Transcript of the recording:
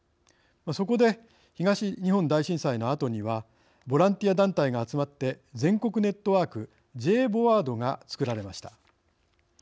そこで東日本大震災のあとにはボランティア団体が集まって全国ネットワークＪＶＯＡＤが作られました。